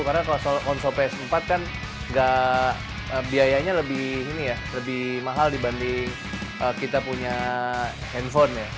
karena konsol ps empat kan biayanya lebih mahal dibanding kita punya handphone